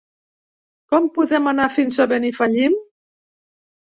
Com podem anar fins a Benifallim?